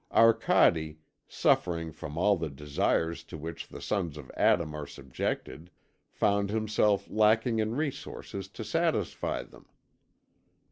Arcade, suffering from all the desires to which the sons of Adam are subjected, found himself lacking in resources to satisfy them.